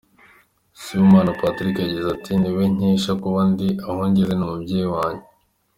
Sibomana Patrick yagize ati” Ni we nkesha kuba ndi aho ngeze, ni umubyeyi wanjye.